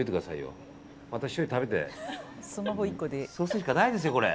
そうするしかないですよ、これ。